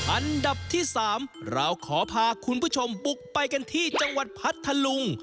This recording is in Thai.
อันดับที่๓เราขอพาคุณผู้ชมบุกไปกันที่จังหวัดพัทธลุง